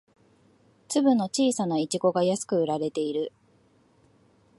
粒の小さなイチゴが安く売られている